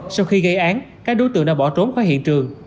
sau khi gây án các đối tượng đã bỏ trốn khỏi hiện trường